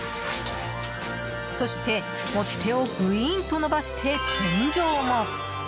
そして、持ち手をぐいーんと伸ばして天井も。